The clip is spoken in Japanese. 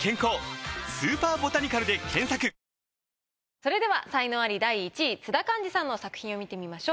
それでは才能アリ第１位津田寛治さんの作品を見てみましよう。